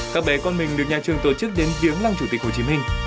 các bé con mình được nhà trường tổ chức đến viếng lăng chủ tịch hồ chí minh